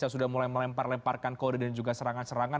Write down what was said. sudah mulai melempar lemparkan kode dan juga serangan serangan